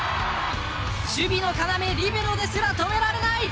守備の要リベロですら止められない。